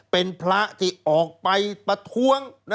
เป็นพระที่ออกไปประท้วง